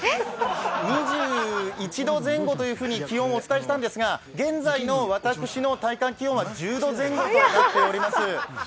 ２１度前後というふうに気温、お伝えしたんですが現在の私の体感気温は１０度前後となっております。